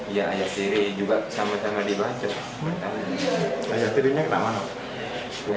iya ayah tiri juga sama sama dibacok